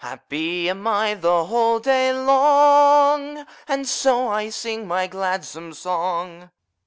Happy am I the whole day long And so I sing my gladsome song."